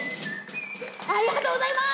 ありがとうございます！